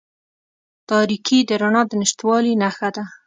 تاریکې د رڼا د نشتوالي نښه ده.